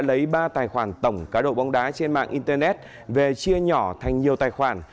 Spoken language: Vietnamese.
lấy ba tài khoản tổng cá độ bóng đá trên mạng internet về chia nhỏ thành nhiều tài khoản